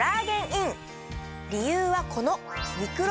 理由はこの。